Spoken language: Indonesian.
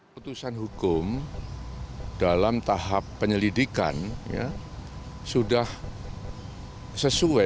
putusan hukum dalam tahap penyelidikan sudah sesuai